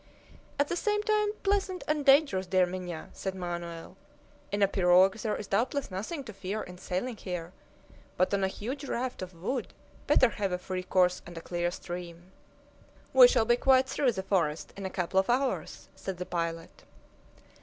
"At the same time pleasant and dangerous, dear Minha," said Manoel. "In a pirogue there is doubtless nothing to fear in sailing here, but on a huge raft of wood better have a free course and a clear stream." "We shall be quite through the forest in a couple of hours," said the pilot.